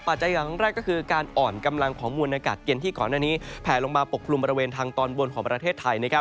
จัยอย่างแรกก็คือการอ่อนกำลังของมวลอากาศเย็นที่ก่อนหน้านี้แผลลงมาปกกลุ่มบริเวณทางตอนบนของประเทศไทย